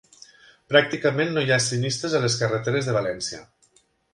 Pràcticament no hi ha sinistres a les carreteres de València